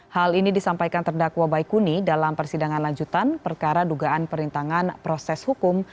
hal ini disampaikan terdakwa baikuni dalam persidangan lanjutan perkara dugaan perintangan proses hukum